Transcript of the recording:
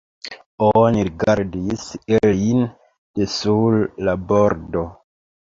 Oni rigardis ilin de sur la bordo.